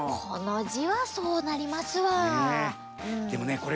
このじはそうなりますわ。ね。